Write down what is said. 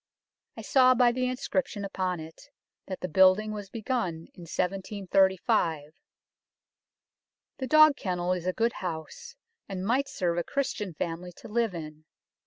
I saw by the inscription upon it, that the building was begun in 1735. ... The Dogkennel is a good house, and might serve a Christian family to li ve in.